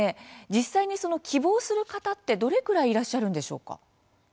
実際に希望する方ってどれくらいいらっしゃるんでしょうか。